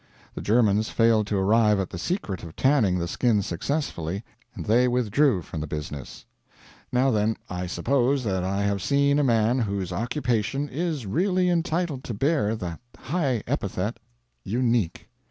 The Germans failed to arrive at the secret of tanning the skins successfully, and they withdrew from the business. Now then, I suppose that I have seen a man whose occupation is really entitled to bear that high epithet unique.